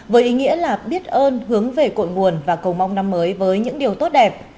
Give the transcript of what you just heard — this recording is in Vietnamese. với ý nghĩa là biết ơn hướng về cội nguồn và cầu mong năm mới với những điều tốt đẹp